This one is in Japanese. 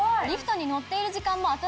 リフトに乗っている時間も。